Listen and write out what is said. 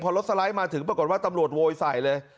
พอรถสไลด์มาถึงปรากฏว่าตำรวจโวยใส่เลย